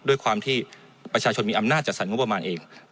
ด้วยความที่ประชาชนมีอำนาจจัดสรรงบประมาณเอง